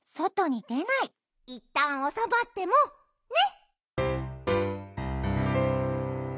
いったんおさまってもね！